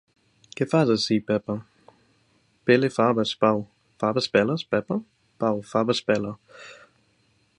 Què fas ací, Pepa? Pele faves, Pau. Faves peles, Pepa? Pau, faves pele.